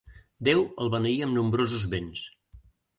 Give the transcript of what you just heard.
Déu el beneí amb nombrosos béns.